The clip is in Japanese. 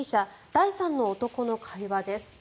第三の男の会話です。